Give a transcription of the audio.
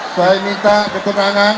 saya minta ketenangan